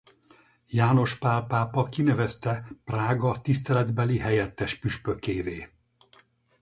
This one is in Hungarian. János Pál pápa kinevezte Prága tiszteletbeli helyettes püspökévé.